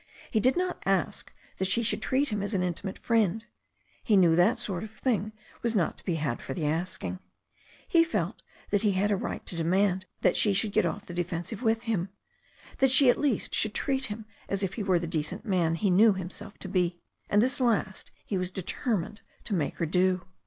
He did not ask that she should treat him as an intimate friend. He knew that sort of thing was not to be had for the ask ing. But he felt that he had a right to demand that 'she should get off the defensive with him, that she at least should treat him as if he were the decent man he knew himself to be. And this last he was determined to make her do.